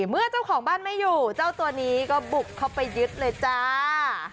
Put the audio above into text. เมื่อเจ้าของบ้านไม่อยู่เจ้าตัวนี้ก็บุกเข้าไปยึดเลยจ้า